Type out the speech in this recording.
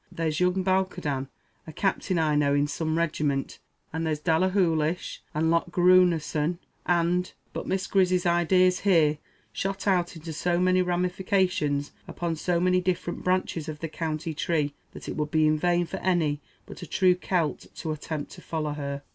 There's young Balquhadan, a captain, I know, in some regiment; and there's Dhalahulish, and Lochgrunason, and " But Miss Grizzy's ideas here shot out into so many ramifications upon so many different branches of the county tree, that it would be in vain for any but a true Celt to attempt to follow her.